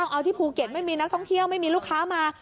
เอาที่ภูเก็ตไม่มีนักท่องเที่ยวไม่มีลูกค้ามา